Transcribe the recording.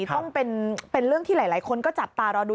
ต้องเป็นเรื่องที่หลายคนก็จับตารอดู